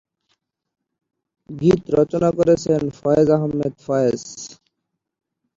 গীত রচনা করেছেন ফয়েজ আহমেদ ফয়েজ।